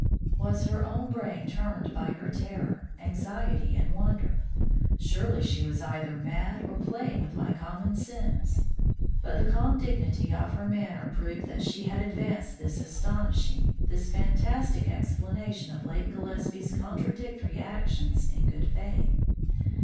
Was her own brain turned by her terror, anxiety, and wonder? Surely she was either mad or playing with my common sense. But the calm dignity of her manner proved that she had advanced this astonishing, this fantastic explanation of Leighton Gillespie's contradictory actions in good faith.